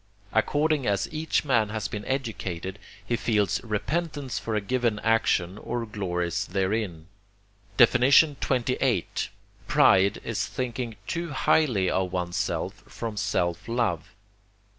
According as each man has been educated, he feels repentance for a given action or glories therein. XXVIII. Pride is thinking too highly of one's self from self love.